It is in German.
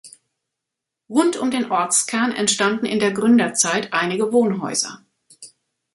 Rund um den Ortskern entstanden in der Gründerzeit einige Wohnhäuser.